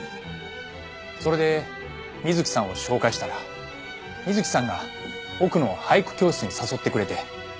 それで美月さんを紹介したら美月さんが奥野を俳句教室に誘ってくれて。